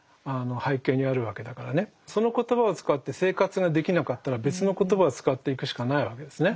その言葉を使って生活ができなかったら別の言葉を使っていくしかないわけですね。